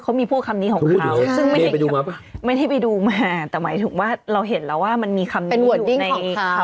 เขามีพวกคำนี้ของเขาซึ่งไม่ได้ไปดูมาแต่หมายถึงว่าเราเห็นแล้วว่ามันมีคำนี้อยู่ในเขา